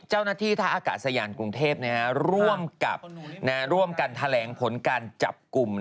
เจ้าหน้าที่ท่าอากาศยานกรุงเทพร่วมกับร่วมกันแถลงผลการจับกลุ่ม